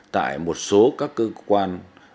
tại một số các cơ quan